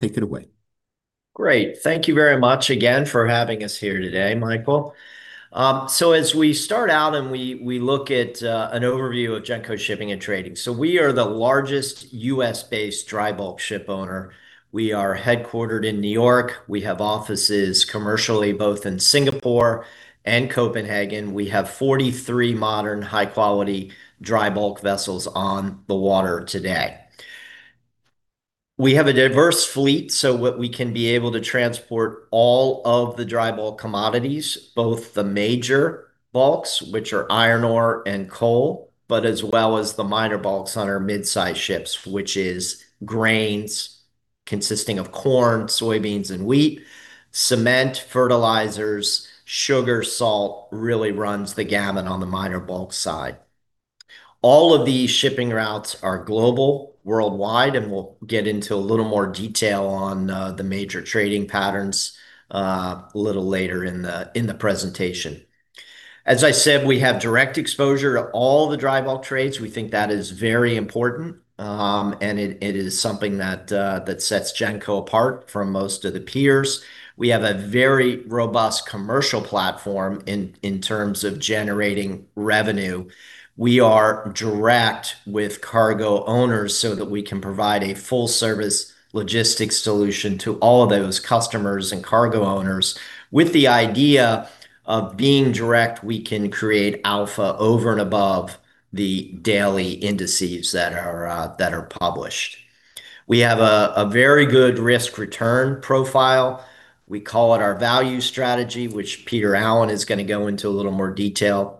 Take it away. Great. Thank you very much again for having us here today, Michael. As we start out and we look at an overview of Genco Shipping & Trading. We are the largest U.S.-based dry bulk shipowner. We are headquartered in New York. We have offices commercially, both in Singapore and Copenhagen. We have 43 modern high-quality dry bulk vessels on the water today. We have a diverse fleet, so what we can be able to transport all of the dry bulk commodities, both the major bulks, which are iron ore and coal, but as well as the minor bulks on our mid-size ships, which is grains consisting of corn, soybeans, and wheat, cement, fertilizers, sugar, salt, really runs the gamut on the minor bulk side. All of these shipping routes are global, worldwide, and we'll get into a little more detail on the major trading patterns a little later in the presentation. As I said, we have direct exposure to all the dry bulk trades. We think that is very important, and it is something that sets Genco apart from most of the peers. We have a very robust commercial platform in terms of generating revenue. We are direct with cargo owners so that we can provide a full-service logistics solution to all of those customers and cargo owners. With the idea of being direct, we can create alpha over and above the daily indices that are published. We have a very good risk-return profile. We call it our value strategy, which Peter Allen is gonna go into a little more detail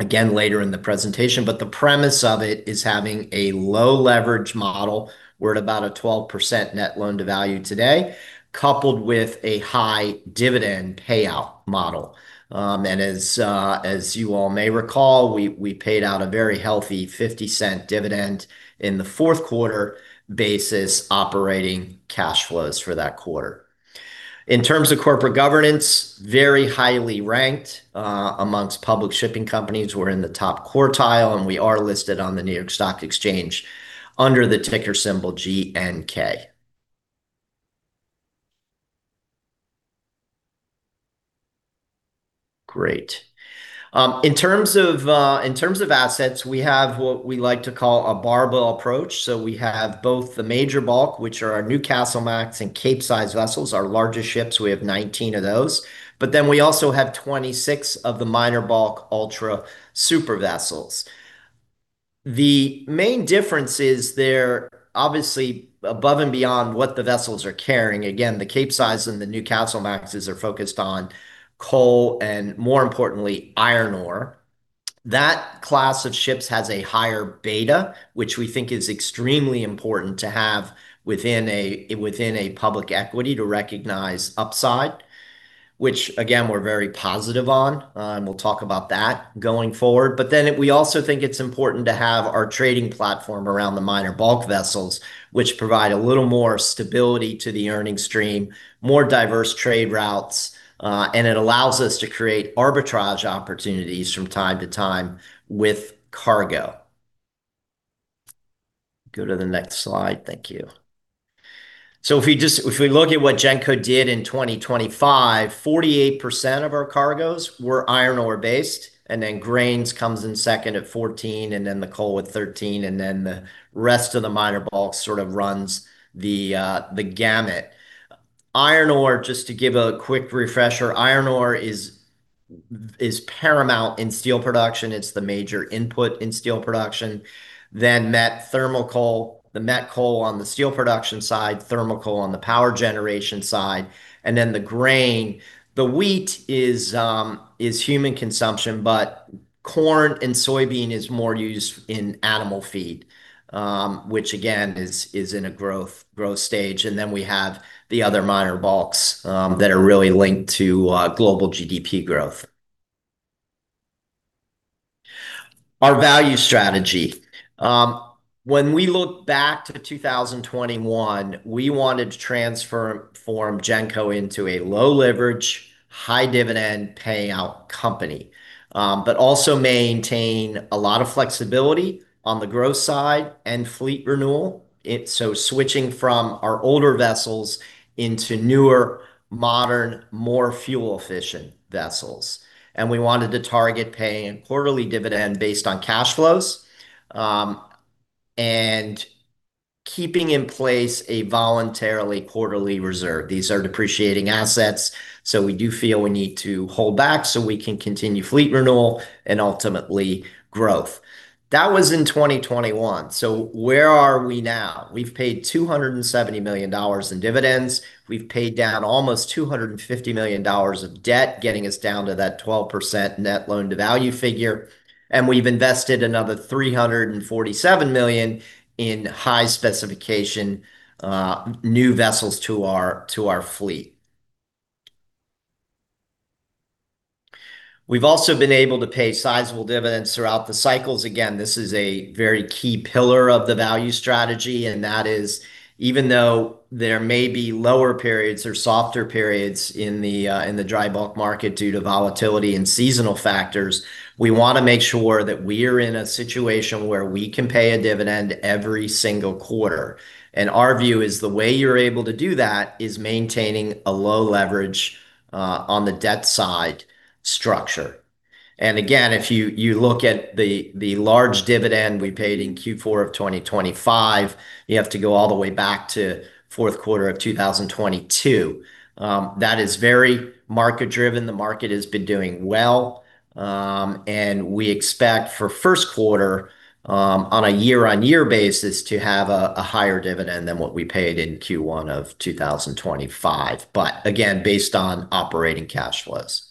again later in the presentation. The premise of it is having a low leverage model. We're at about a 12% net loan-to-value today, coupled with a high dividend payout model. As you all may recall, we paid out a very healthy $0.50 dividend in the fourth quarter basis operating cash flows for that quarter. In terms of corporate governance, very highly ranked among public shipping companies. We're in the top quartile, and we are listed on the New York Stock Exchange under the ticker symbol GNK. Great. In terms of assets, we have what we like to call a barbell approach. We have both the major bulk, which are our Newcastlemax and Capesize vessels, our largest ships. We have 19 of those. We also have 26 of the minor bulk Ultramax and Supramax vessels. The main difference is they're obviously above and beyond what the vessels are carrying. Again, the Capesize and the Newcastlemaxes are focused on coal and more importantly, iron ore. That class of ships has a higher beta, which we think is extremely important to have within a public equity to recognize upside, which again, we're very positive on, and we'll talk about that going forward. We also think it's important to have our trading platform around the minor bulk vessels, which provide a little more stability to the earning stream, more diverse trade routes, and it allows us to create arbitrage opportunities from time to time with cargo. Go to the next slide. Thank you. If we look at what Genco did in 2025, 48% of our cargoes were iron ore-based, and then grains comes in second at 14%, and then the coal with 13%, and then the rest of the minor bulk sort of runs the gamut. Iron ore, just to give a quick refresher, iron ore is paramount in steel production. It's the major input in steel production. Then met thermal coal, the met coal on the steel production side, thermal coal on the power generation side, and then the grain. The wheat is human consumption, but corn and soybean is more used in animal feed, which again is in a growth stage. We have the other minor bulks that are really linked to global GDP growth. Our value strategy. When we look back to 2021, we wanted to transform Genco into a low leverage, high dividend payout company. But also maintain a lot of flexibility on the growth side and fleet renewal, switching from our older vessels into newer, modern, more fuel-efficient vessels. We wanted to target paying quarterly dividend based on cash flows, and keeping in place a voluntary quarterly reserve. These are depreciating assets, so we do feel we need to hold back so we can continue fleet renewal and ultimately growth. That was in 2021. Where are we now? We've paid $270 million in dividends. We've paid down almost $250 million of debt, getting us down to that 12% net loan-to-value figure. We've invested another $347 million in high specification new vessels to our fleet. We've also been able to pay sizable dividends throughout the cycles. Again, this is a very key pillar of the value strategy, and that is even though there may be lower periods or softer periods in the dry bulk market due to volatility and seasonal factors, we wanna make sure that we're in a situation where we can pay a dividend every single quarter. Our view is the way you're able to do that is maintaining a low leverage on the debt side structure. Again, if you look at the large dividend we paid in Q4 of 2025, you have to go all the way back to fourth quarter of 2022. That is very market-driven. The market has been doing well, and we expect for first quarter, on a year-on-year basis to have a higher dividend than what we paid in Q1 of 2025. Again, based on operating cash flows.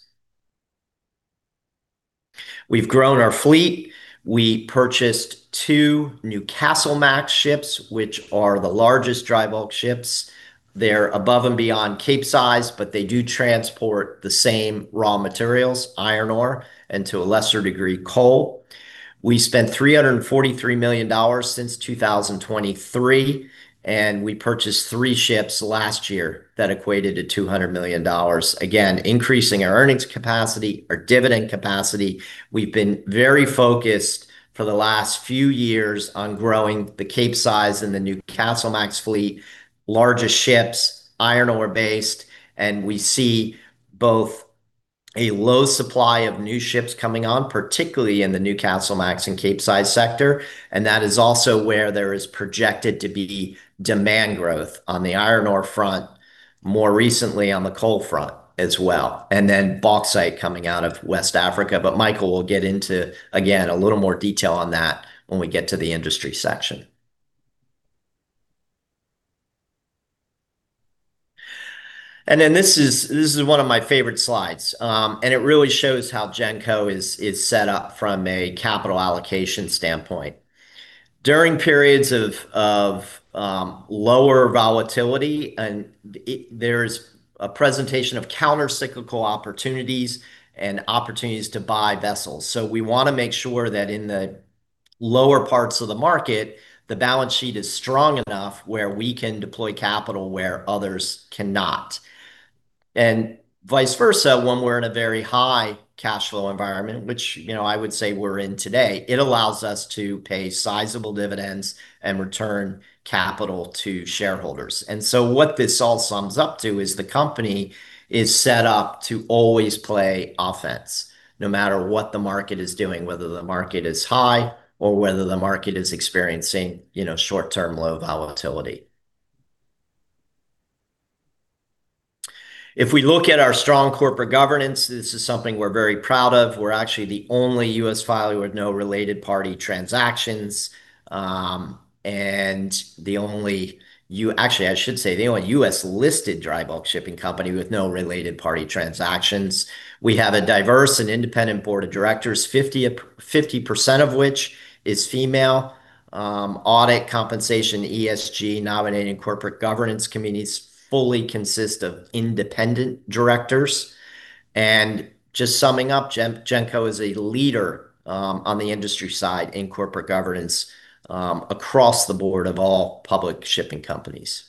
We've grown our fleet. We purchased two Newcastlemax ships, which are the largest dry bulk ships. They're above and beyond Capesize, but they do transport the same raw materials, iron ore, and to a lesser degree, coal. We spent $343 million since 2023, and we purchased three ships last year that equated to $200 million, again, increasing our earnings capacity, our dividend capacity. We've been very focused for the last few years on growing the Capesize and the Newcastlemax fleet, larger ships, iron ore-based, and we see both a low supply of new ships coming on, particularly in the Newcastlemax and Capesize sector. That is also where there is projected to be demand growth on the iron ore front, more recently on the coal front as well, and then bauxite coming out of West Africa. Michael will get into, again, a little more detail on that when we get to the industry section. This is one of my favorite slides. It really shows how Genco is set up from a capital allocation standpoint. During periods of lower volatility, there's a presentation of countercyclical opportunities and opportunities to buy vessels. We wanna make sure that in the lower parts of the market, the balance sheet is strong enough where we can deploy capital where others cannot. Vice versa, when we're in a very high cash flow environment, which, you know, I would say we're in today, it allows us to pay sizable dividends and return capital to shareholders. What this all sums up to is the company is set up to always play offense, no matter what the market is doing, or whether the market is high or whether the market is experiencing, you know, short-term low volatility. If we look at our strong corporate governance, this is something we're very proud of. We're actually the only U.S. filer with no related party transactions, and the only U.S.-listed dry bulk shipping company with no related party transactions. We have a diverse and independent board of directors, 50% of which is female. Audit compensation, ESG, nominating corporate governance committees fully consist of independent directors. Just summing up, Genco is a leader on the industry side in corporate governance across the board of all public shipping companies.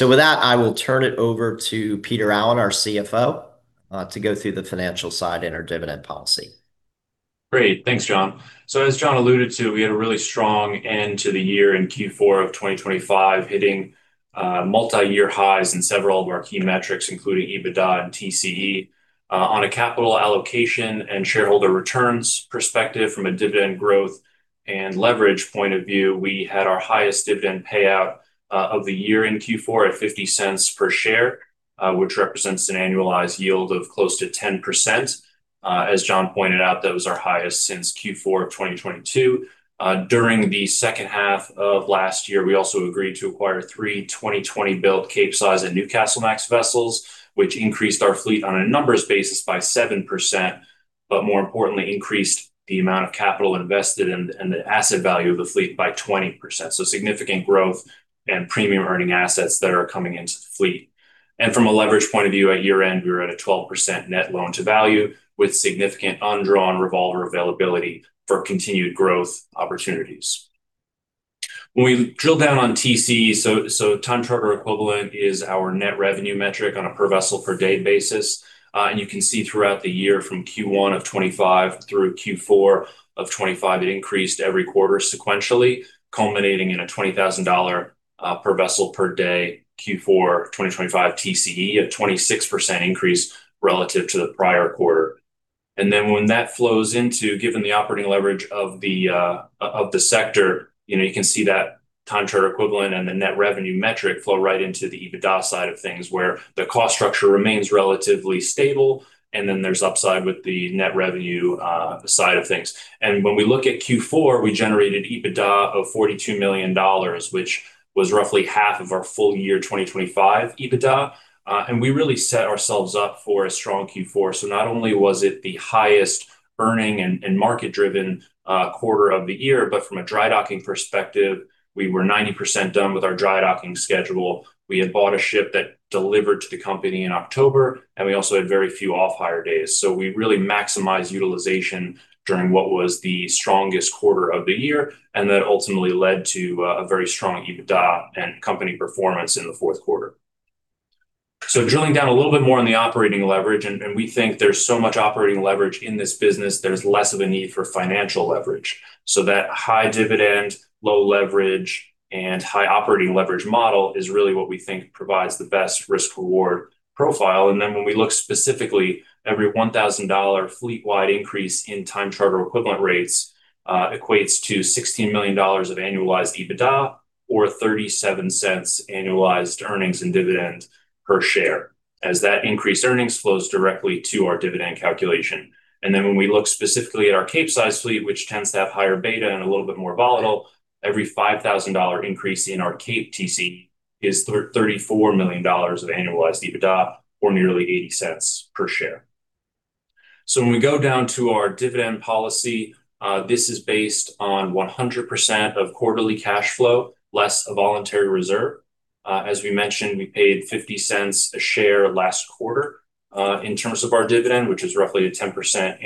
With that, I will turn it over to Peter Allen, our CFO, to go through the financial side and our dividend policy. Great. Thanks, John. As John alluded to, we had a really strong end to the year in Q4 of 2025, hitting multiyear highs in several of our key metrics, including EBITDA and TCE. On a capital allocation and shareholder returns perspective from a dividend growth and leverage point of view, we had our highest dividend payout of the year in Q4 at $0.50 per share, which represents an annualized yield of close to 10%. As John pointed out, that was our highest since Q4 of 2022. During the second half of last year, we also agreed to acquire three 2020-built Capesize and Newcastlemax vessels, which increased our fleet on a numbers basis by 7%, but more importantly, increased the amount of capital invested and the asset value of the fleet by 20%. Significant growth and premium earning assets that are coming into the fleet. From a leverage point of view, at year-end, we were at a 12% net loan-to-value with significant undrawn revolver availability for continued growth opportunities. When we drill down on TCE, Time Charter Equivalent is our net revenue metric on a per vessel per day basis. You can see throughout the year from Q1 of 2025 through Q4 of 2025, it increased every quarter sequentially, culminating in a $20,000 per vessel per day Q4 2025 TCE, a 26% increase relative to the prior quarter. Then when that flows into, given the operating leverage of the of the sector, you know, you can see that Time Charter Equivalent and the net revenue metric flow right into the EBITDA side of things where the cost structure remains relatively stable, and then there's upside with the net revenue side of things. When we look at Q4, we generated EBITDA of $42 million, which was roughly half of our full year 2025 EBITDA. We really set ourselves up for a strong Q4. Not only was it the highest earning and market-driven quarter of the year, but from a dry docking perspective, we were 90% done with our dry docking schedule. We had bought a ship that delivered to the company in October, and we also had very few off-hire days. We really maximized utilization during what was the strongest quarter of the year, and that ultimately led to a very strong EBITDA and company performance in the fourth quarter. Drilling down a little bit more on the operating leverage, we think there's so much operating leverage in this business, there's less of a need for financial leverage. That high dividend, low leverage, and high operating leverage model is really what we think provides the best risk-reward profile. Then when we look specifically, every $1,000 fleet-wide increase in Time Charter Equivalent rates equates to $16 million of annualized EBITDA or $0.37 annualized earnings and dividend per share, as that increased earnings flows directly to our dividend calculation. When we look specifically at our Capesize fleet, which tends to have higher beta and a little bit more volatile, every $5,000 increase in our Cape TC is $34 million of annualized EBITDA or nearly $0.80 per share. When we go down to our dividend policy, this is based on 100% of quarterly cash flow, less a voluntary reserve. As we mentioned, we paid $0.50 a share last quarter, in terms of our dividend, which is roughly a 10%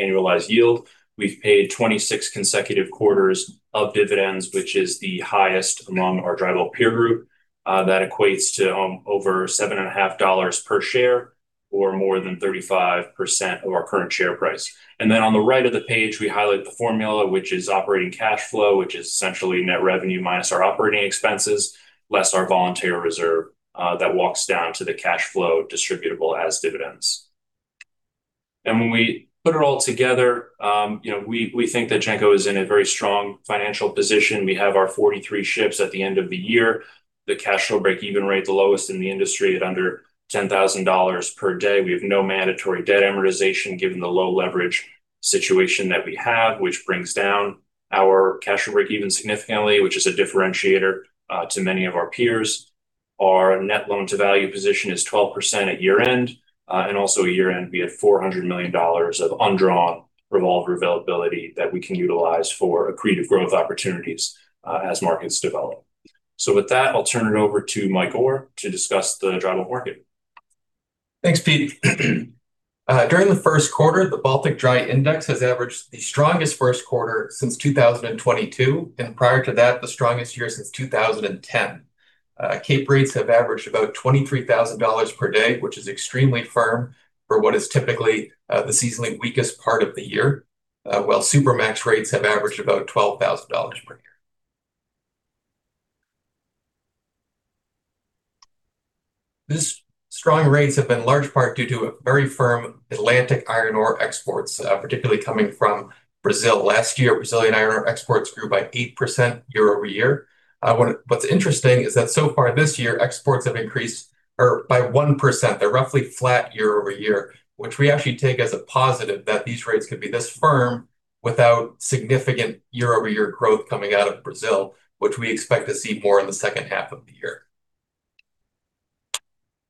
annualized yield. We've paid 26 consecutive quarters of dividends, which is the highest among our dry bulk peer group. That equates to over $7.5 per share or more than 35% of our current share price. On the right of the page, we highlight the formula, which is operating cash flow, which is essentially net revenue minus our operating expenses, less our voluntary reserve, that walks down to the cash flow distributable as dividends. When we put it all together, you know, we think that Genco is in a very strong financial position. We have our 43 ships at the end of the year. The cash flow break-even rate, the lowest in the industry at under $10,000 per day. We have no mandatory debt amortization, given the low leverage situation that we have, which brings down our cash break-even significantly, which is a differentiator to many of our peers. Our net loan-to-value position is 12% at year-end. At year-end, we have $400 million of undrawn revolver availability that we can utilize for accretive growth opportunities, as markets develop. With that, I'll turn it over to Mike Orr to discuss the dry bulk market. Thanks, Pete. During the first quarter, the Baltic Dry Index has averaged the strongest first quarter since 2022, and prior to that, the strongest year since 2010. Cape rates have averaged about $23,000 per day, which is extremely firm for what is typically the seasonally weakest part of the year, while Supramax rates have averaged about $12,000 per day. These strong rates have been in large part due to a very firm Atlantic iron ore exports, particularly coming from Brazil. Last year, Brazilian iron ore exports grew by 8% year-over-year. What's interesting is that so far this year, exports have increased by 1%. They're roughly flat year-over-year, which we actually take as a positive that these rates could be this firm without significant year-over-year growth coming out of Brazil, which we expect to see more in the second half of the year.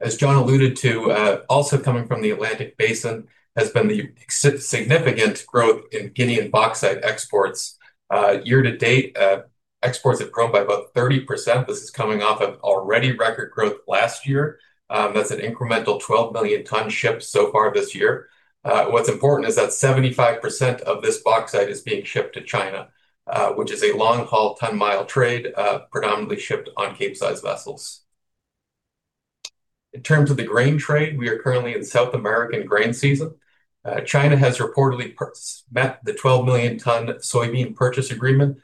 As John alluded to, also coming from the Atlantic Basin, has been the significant growth in Guinean bauxite exports. Year to date, exports have grown by about 30%. This is coming off of already record growth last year. That's an incremental 12 million tons shipped so far this year. What's important is that 75% of this bauxite is being shipped to China, which is a long-haul ton-mile trade, predominantly shipped on Capesize vessels. In terms of the grain trade, we are currently in South American grain season. China has reportedly met the 12 million ton soybean purchase agreement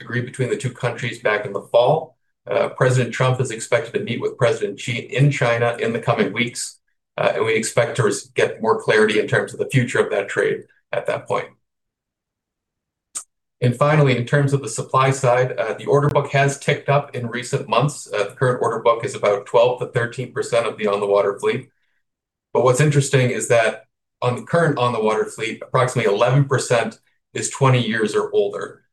agreed between the two countries back in the fall. Donald Trump is expected to meet with Xi Jinping in China in the coming weeks, and we expect to get more clarity in terms of the future of that trade at that point. Finally, in terms of the supply side, the order book has ticked up in recent months. The current order book is about 12%-13% of the on-the-water fleet. What's interesting is that on the current on-the-water fleet, approximately 11% is 20 years or older.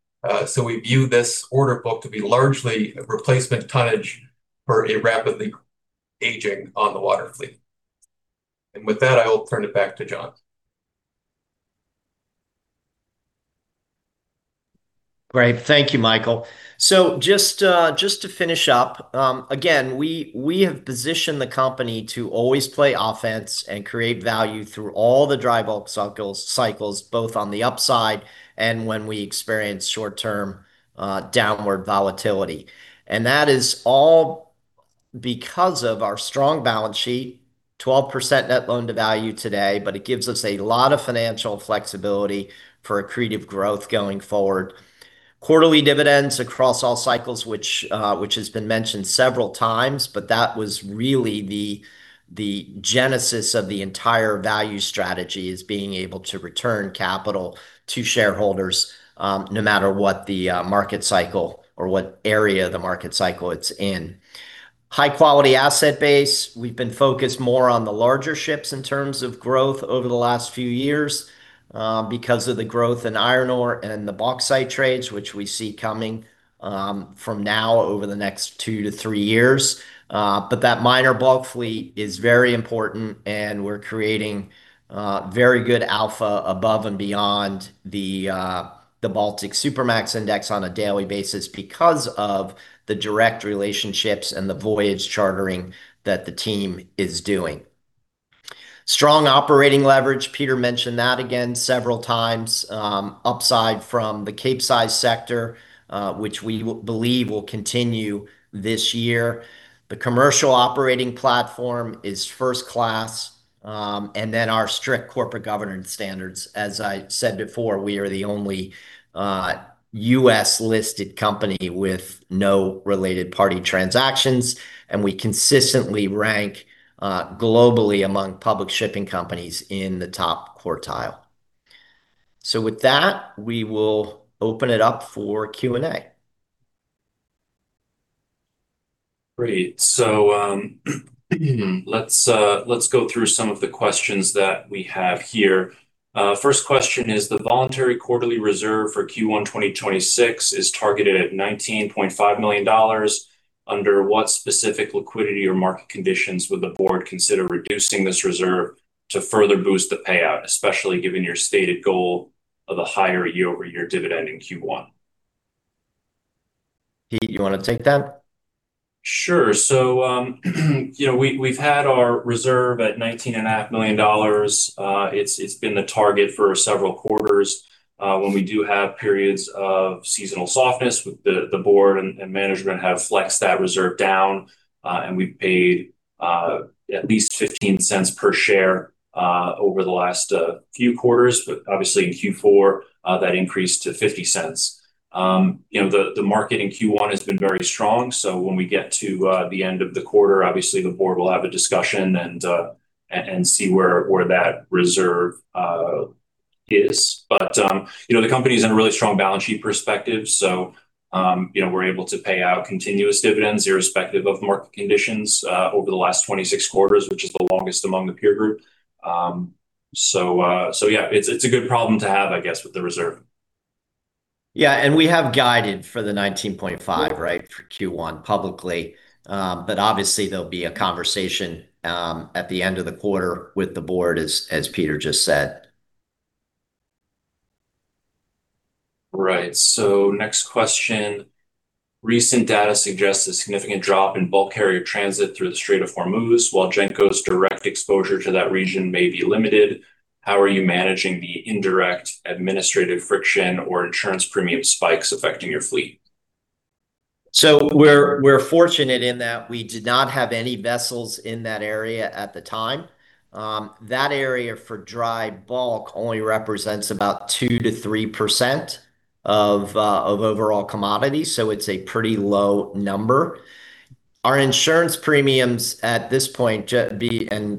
We view this order book to be largely replacement tonnage for a rapidly aging on-the-water fleet. With that, I will turn it back to John. Great. Thank you, Michael. Just to finish up, again, we have positioned the company to always play offense and create value through all the dry bulk cycles, both on the upside and when we experience short-term downward volatility. That is all because of our strong balance sheet, 12% net loan-to-value today, but it gives us a lot of financial flexibility for accretive growth going forward. Quarterly dividends across all cycles, which has been mentioned several times, but that was really the genesis of the entire value strategy, is being able to return capital to shareholders, no matter what the market cycle or what area of the market cycle it's in. High quality asset base. We've been focused more on the larger ships in terms of growth over the last few years because of the growth in iron ore and the bauxite trades, which we see coming from now over the next two to three years. That minor bulk fleet is very important, and we're creating very good alpha above and beyond the Baltic Supramax Index on a daily basis because of the direct relationships and the voyage chartering that the team is doing. Strong operating leverage, Peter mentioned that again several times, upside from the Capesize sector, which we believe will continue this year. The commercial operating platform is first class, and then our strict corporate governance standards. As I said before, we are the only U.S.-listed company with no related party transactions, and we consistently rank globally among public shipping companies in the top quartile. With that, we will open it up for Q&A. Great. Let's go through some of the questions that we have here. First question is: The voluntary quarterly reserve for Q1 2026 is targeted at $19.5 million. Under what specific liquidity or market conditions would the board consider reducing this reserve to further boost the payout, especially given your stated goal of a higher year-over-year dividend in Q1? Pete, you wanna take that? Sure. You know, we've had our reserve at $19.5 million. It's been the target for several quarters. When we do have periods of seasonal softness with the board and management have flexed that reserve down, and we've paid at least $0.15 per share over the last few quarters. Obviously in Q4, that increased to $0.50. You know, the market in Q1 has been very strong, so when we get to the end of the quarter, obviously the board will have a discussion and see where that reserve is. You know, the company's in a really strong balance sheet perspective, so, you know, we're able to pay out continuous dividends irrespective of market conditions, over the last 26 quarters, which is the longest among the peer group. Yeah, it's a good problem to have, I guess, with the reserve. We have guided for the $19.5, right, for Q1 publicly. Obviously there'll be a conversation at the end of the quarter with the board as Peter just said. Right. Next question. Recent data suggests a significant drop in bulk carrier transit through the Strait of Hormuz. While Genco's direct exposure to that region may be limited, how are you managing the indirect administrative friction or insurance premium spikes affecting your fleet? We're fortunate in that we did not have any vessels in that area at the time. That area for dry bulk only represents about 2%-3% of overall commodity, so it's a pretty low number. Our insurance premiums at this point and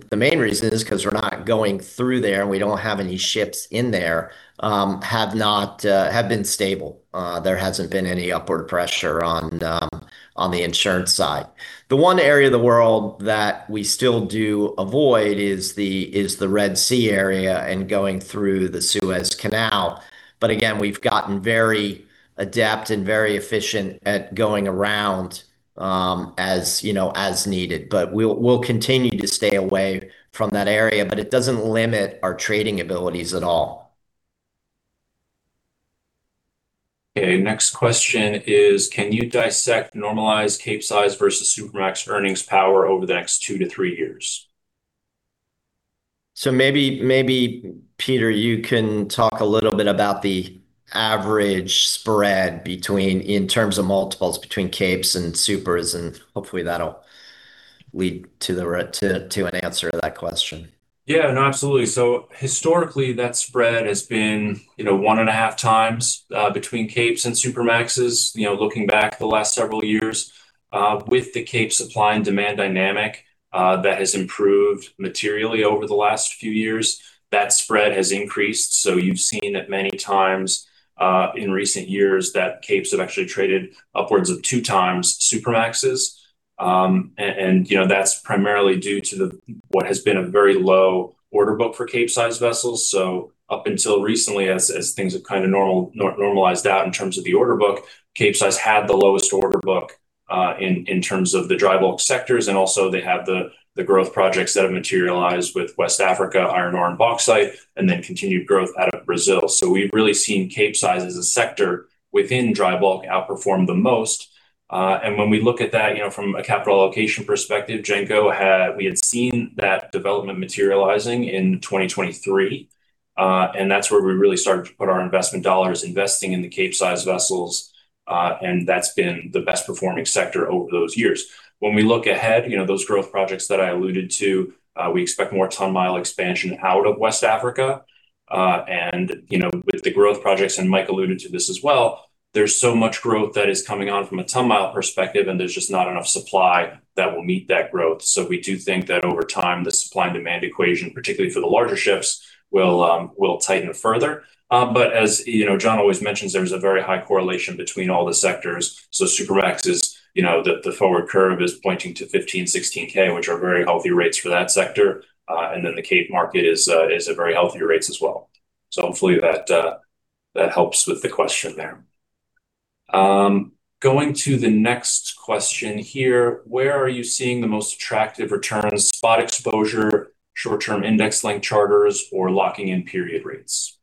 the main reason is 'cause we're not going through there and we don't have any ships in there, have been stable. There hasn't been any upward pressure on the insurance side. The one area of the world that we still do avoid is the Red Sea area and going through the Suez Canal. Again, we've gotten very adept and very efficient at going around, as you know, as needed. We'll continue to stay away from that area, but it doesn't limit our trading abilities at all. Okay. Next question is: Can you dissect normalized Capesize versus Supramax earnings power over the next two to three years? Maybe Peter, you can talk a little bit about the average spread in terms of multiples between Capes and Supers, and hopefully that'll lead to an answer to that question. Yeah, no, absolutely. Historically, that spread has been, you know, 1.5x between Capes and Supramaxes, you know, looking back the last several years. With the Cape supply and demand dynamic that has improved materially over the last few years, that spread has increased. You've seen it many times in recent years that Capes have actually traded upwards of 2x Supramaxes. You know, that's primarily due to what has been a very low order book for Capesize vessels. Up until recently, as things have kinda normalized out in terms of the order book, Capesize had the lowest order book in terms of the dry bulk sectors, and also they have the growth projects that have materialized with West Africa iron ore and bauxite, and then continued growth out of Brazil. We've really seen Capesize as a sector within dry bulk outperform the most. When we look at that, you know, from a capital allocation perspective, we had seen that development materializing in 2023, and that's where we really started to put our investment dollars, investing in the Capesize vessels, and that's been the best performing sector over those years. When we look ahead, you know, those growth projects that I alluded to, we expect more ton-mile expansion out of West Africa. With the growth projects, and Mike alluded to this as well, there's so much growth that is coming on from a ton-mile perspective, and there's just not enough supply that will meet that growth. We do think that over time, the supply and demand equation, particularly for the larger ships, will tighten further. But as you know, John always mentions, there's a very high correlation between all the sectors. Supramaxes, you know, the forward curve is pointing to $15,000-$16,000, which are very healthy rates for that sector. And then the Cape market is at very healthy rates as well. Hopefully that helps with the question there. Going to the next question here: Where are you seeing the most attractive returns, spot exposure, short-term index-linked charters or locking in period rates?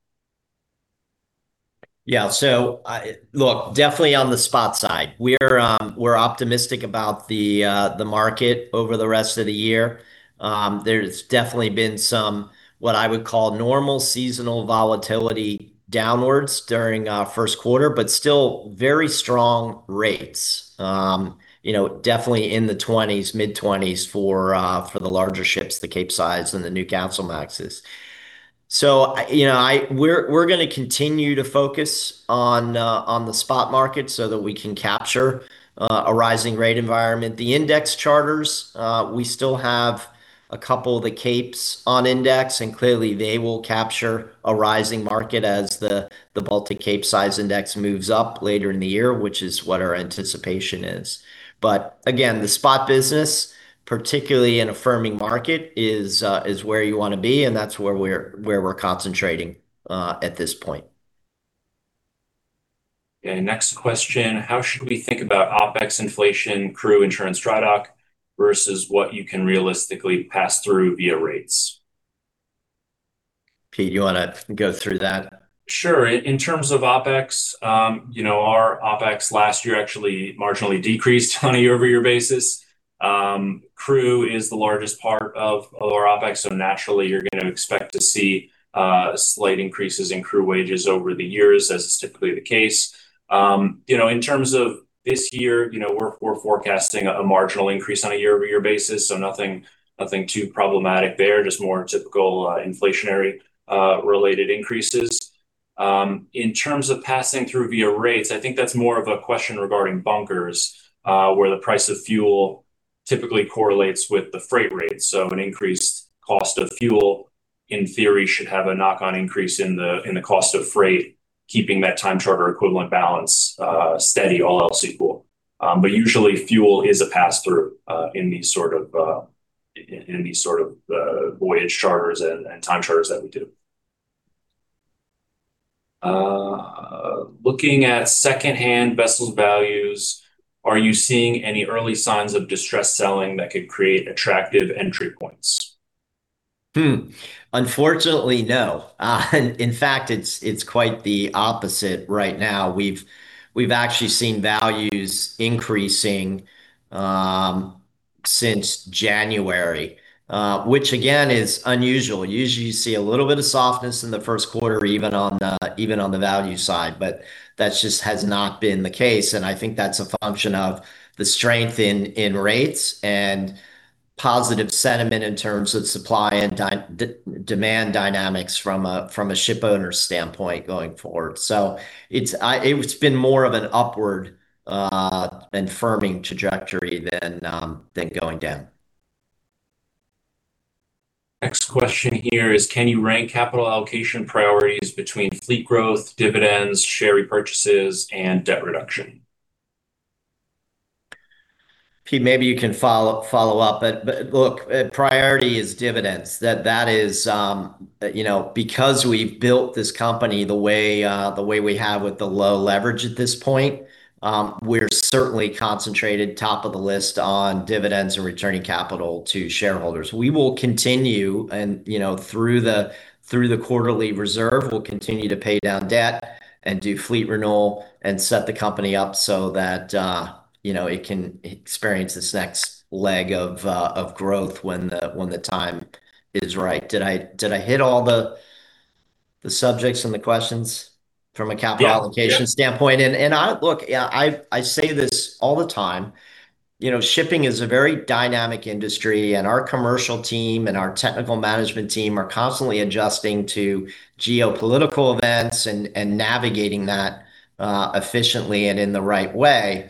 Yeah. Look, definitely on the spot side, we're optimistic about the market over the rest of the year. There's definitely been some, what I would call normal seasonal volatility downwards during first quarter, but still very strong rates. You know, definitely in the 20%s, mid-20%s for the larger ships, the Capesize and the Newcastlemaxes. You know, we're gonna continue to focus on the spot market so that we can capture a rising rate environment. The index charters, we still have a couple of the Capes on index, and clearly they will capture a rising market as the Baltic Capesize Index moves up later in the year, which is what our anticipation is. Again, the spot business, particularly in a firming market, is where you wanna be, and that's where we're concentrating at this point. Okay. Next question. How should we think about OpEx inflation, crew, insurance, dry dock versus what you can realistically pass through via rates? Pete, you wanna go through that? Sure. In terms of OpEx, you know, our OpEx last year actually marginally decreased on a year-over-year basis. Crew is the largest part of our OpEx, so naturally you're gonna expect to see slight increases in crew wages over the years, as is typically the case. You know, in terms of this year, you know, we're forecasting a marginal increase on a year-over-year basis, so nothing too problematic there. Just more typical inflationary related increases. In terms of passing through via rates, I think that's more of a question regarding bunkers, where the price of fuel typically correlates with the freight rate. An increased cost of fuel, in theory, should have a knock-on increase in the cost of freight, keeping that Time Charter Equivalent balance steady, all else equal. Usually fuel is a pass-through in these sort of voyage charters and time charters that we do. Looking at secondhand vessels values, are you seeing any early signs of distressed selling that could create attractive entry points? Unfortunately, no. In fact, it's quite the opposite right now. We've actually seen values increasing since January, which again, is unusual. Usually you see a little bit of softness in the first quarter even on the value side, but that just has not been the case, and I think that's a function of the strength in rates and positive sentiment in terms of supply and demand dynamics from a ship owner standpoint going forward. It's been more of an upward and firming trajectory than going down. Next question here is, can you rank capital allocation priorities between fleet growth, dividends, share repurchases, and debt reduction? Pete, maybe you can follow up. Look, priority is dividends. That is, you know, because we've built this company the way we have with the low leverage at this point, we're certainly concentrated top of the list on dividends and returning capital to shareholders. We will continue and, you know, through the quarterly reserve, we'll continue to pay down debt and do fleet renewal and set the company up so that, you know, it can experience this next leg of growth when the time is right. Did I hit all the subjects and the questions from a capital allocation standpoint? Yeah. Yeah. Look, yeah, I say this all the time, you know, shipping is a very dynamic industry, and our commercial team and our technical management team are constantly adjusting to geopolitical events and navigating that efficiently and in the right way.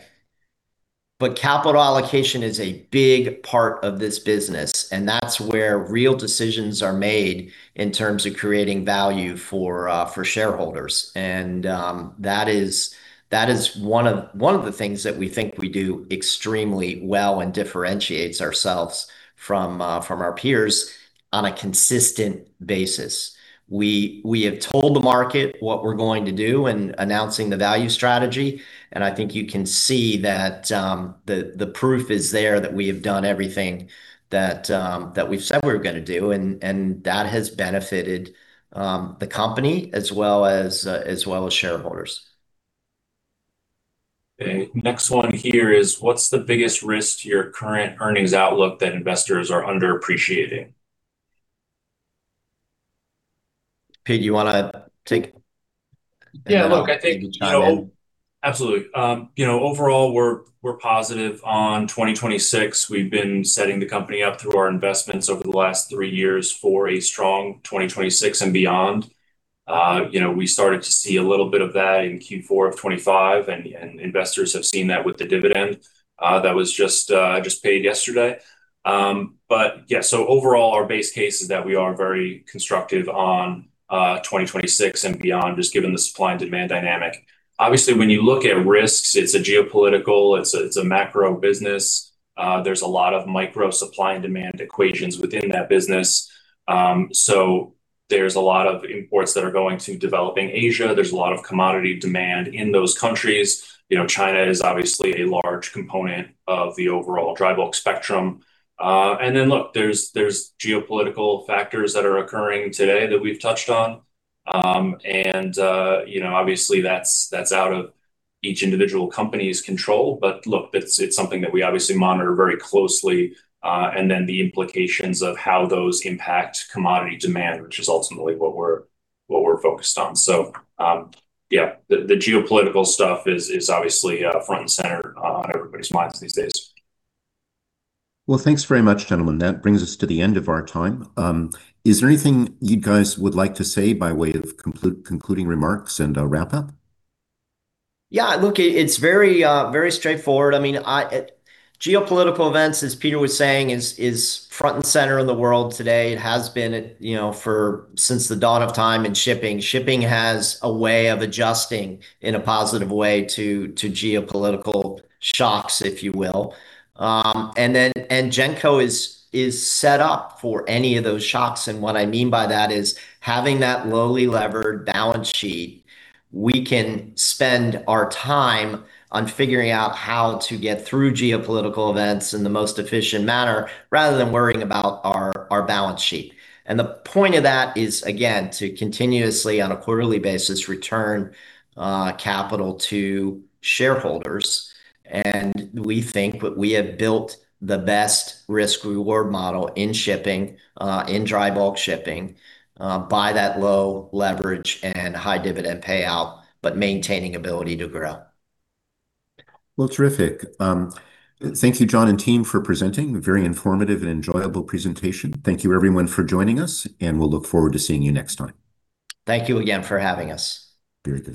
Capital allocation is a big part of this business, and that's where real decisions are made in terms of creating value for shareholders. That is one of the things that we think we do extremely well and differentiates ourselves from our peers on a consistent basis. We have told the market what we're going to do and announcing the value strategy, and I think you can see that the proof is there that we have done everything that we've said we were gonna do and that has benefited the company as well as shareholders. Okay. Next one here is, what's the biggest risk to your current earnings outlook that investors are underappreciating? Pete, you wanna take- Yeah. Look, I think, you know. I'll chime in. Absolutely. You know, overall, we're positive on 2026. We've been setting the company up through our investments over the last three years for a strong 2026 and beyond. You know, we started to see a little bit of that in Q4 of 2025, and investors have seen that with the dividend that was just paid yesterday. Yeah. Overall, our base case is that we are very constructive on 2026 and beyond, just given the supply and demand dynamic. Obviously, when you look at risks, it's a geopolitical, it's a macro business. There's a lot of micro supply and demand equations within that business. There's a lot of imports that are going to developing Asia. There's a lot of commodity demand in those countries. You know, China is obviously a large component of the overall dry bulk spectrum. Look, there's geopolitical factors that are occurring today that we've touched on. You know, obviously, that's out of each individual company's control. Look, it's something that we obviously monitor very closely, and then the implications of how those impact commodity demand, which is ultimately what we're focused on. Yeah, the geopolitical stuff is obviously front and center on everybody's minds these days. Well, thanks very much, gentlemen. That brings us to the end of our time. Is there anything you guys would like to say by way of concluding remarks and a wrap-up? Yeah. Look, it's very, very straightforward. I mean, geopolitical events, as Peter was saying, is front and center in the world today. It has been, you know, for since the dawn of time in shipping. Shipping has a way of adjusting in a positive way to geopolitical shocks, if you will. Genco is set up for any of those shocks. What I mean by that is having that lowly levered balance sheet, we can spend our time on figuring out how to get through geopolitical events in the most efficient manner rather than worrying about our balance sheet. The point of that is, again, to continuously on a quarterly basis, return capital to shareholders. We think that we have built the best risk reward model in shipping, in dry bulk shipping, by that low leverage and high dividend payout, but maintaining ability to grow. Well, terrific. Thank you, John and team for presenting. A very informative and enjoyable presentation. Thank you everyone for joining us, and we'll look forward to seeing you next time. Thank you again for having us. Very good.